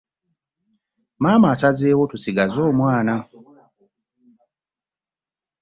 Maama asazeewo tusigaze omwana.